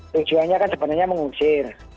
tujuannya kan sebenarnya mengusir